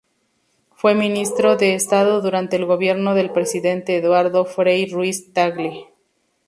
Fue ministro de Estado durante el gobierno del presidente Eduardo Frei Ruiz-Tagle.